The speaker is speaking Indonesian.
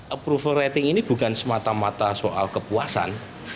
approval rating ini bukan semata mata soal kepuasan